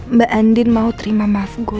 mbak endin mau terima maaf gue